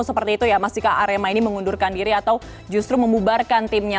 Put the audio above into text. seperti itu ya mas jika arema ini mengundurkan diri atau justru memubarkan timnya